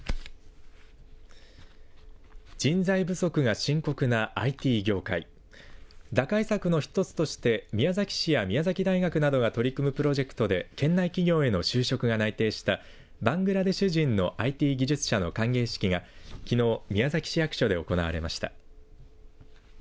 人材不足が深刻なＩＴ業界打開策の一つとして宮崎市や宮崎大学などが取り組むプロジェクトで県内企業への就職が内定したバングラデシュ人のＩＴ技術者の歓迎式が、きのう宮崎市役所で行われました。